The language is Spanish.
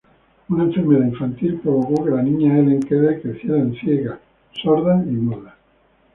Una enfermedad infantil provocó que la niña Helen Keller creciera ciega, sorda y muda.